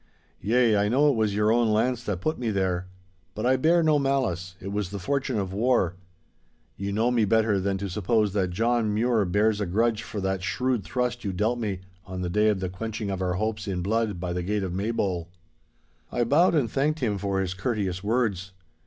Yea, I know it was your own lance that put me there. But I bear no malice, it was the fortune of war. You know me better than to suppose that John Mure bears a grudge for that shrewd thrust you dealt me on the day of the quenching of our hopes in blood by the gate of Maybole.' I bowed and thanked him for his courteous words.